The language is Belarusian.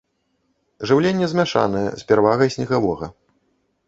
Жыўленне змяшанае, з перавагай снегавога.